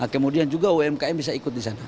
kemudian juga umkm bisa ikut di sana